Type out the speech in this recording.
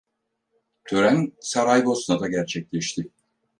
Tören Saraybosna'da gerçekleşti.